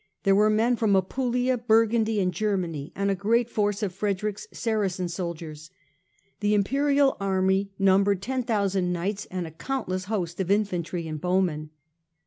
There were men from Apulia, Burgundy and Germany, and a great force of Frederick's Saracen soldiers. The Imperial army numbered ten thousand knights, and a countless host of infantry and bowmen.